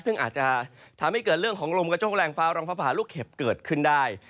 ซึ่งอาจจะทำให้เกิดเรื่องของลมกระโชคแรงฟ้าร้องฟ้าผ่าลูกเห็บเกิดขึ้นได้